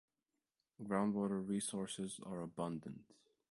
Groundwater resources are abundant.